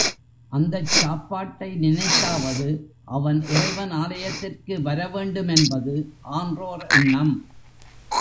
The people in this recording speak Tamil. அந்தச் சாப்பாட்டை நினைத்தாவது அவன் இறைவன் ஆலயத்திற்கு வர வேண்டும் என்பது ஆன்றோர் எண்ணம்.